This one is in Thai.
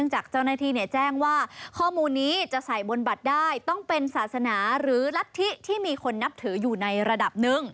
จากเจ้าหน้าที่แจ้งว่าข้อมูลนี้จะใส่บนบัตรได้ต้องเป็นศาสนาหรือรัฐธิที่มีคนนับถืออยู่ในระดับหนึ่ง